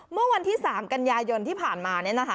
เมื่อวันที่๓กันยายนที่ผ่านมาเนี่ยนะคะ